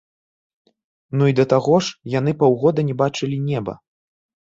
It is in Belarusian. Ну і да таго ж, яны паўгода не бачылі неба.